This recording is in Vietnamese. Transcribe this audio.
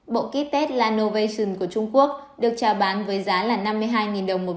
bộ kit test lanovation của trung quốc được ra bán với giá là năm mươi hai đồng một bộ